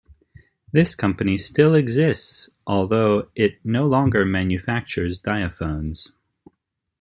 This company still exists, although it no longer manufactures diaphones.